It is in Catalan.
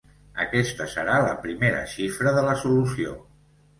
Aquesta serà la primera xifra de la solució.